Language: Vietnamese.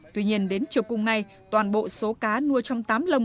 tuy nhiên đến chiều cùng ngày toàn bộ số cá nuôi trong tám lồng